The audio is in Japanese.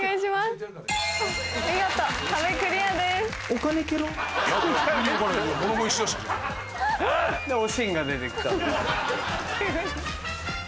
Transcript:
何でおしんが出て来た。